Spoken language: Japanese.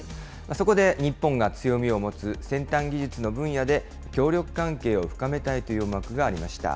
そこで日本が強みを持つ先端技術の分野で協力関係を深めたいという思惑がありました。